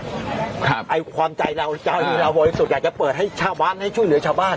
ครับไอ้ความใจเราจาวนี้เราบ่อยสุดอยากจะเปิดให้ชาวบ้านให้ช่วยเหลือชาวบ้าน